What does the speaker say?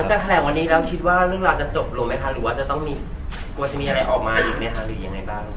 จะแถลงวันนี้แล้วคิดว่าเรื่องราวจะจบลงไหมคะหรือว่าจะต้องมีกลัวจะมีอะไรออกมาอีกไหมคะหรือยังไงบ้าง